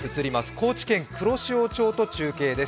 高知県黒潮町と中継です。